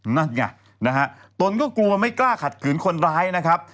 นั่นไงนะฮะตนก็กลัวไม่กล้าขัดขืนคนร้ายนะครับ